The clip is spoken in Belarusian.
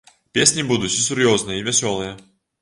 Песні будуць і сур'ёзныя, і вясёлыя.